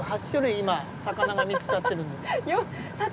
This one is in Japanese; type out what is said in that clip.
今魚が見つかってるんです。